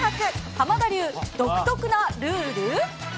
浜田流、独特なルール？